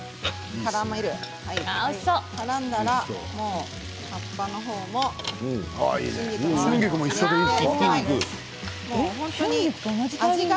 からんだら葉っぱの方も春菊も。